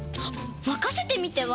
まかせてみては？